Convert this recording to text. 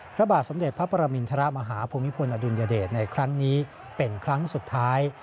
พระบาทสมเด็จพระปรมินทรมาฮาภูมิพลอดุลยเดชในครั้งนี้เป็นครั้งสุดท้าย